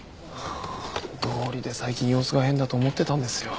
どうりで最近様子が変だと思ってたんですよ。